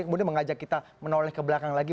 kemudian mengajak kita menoleh ke belakang lagi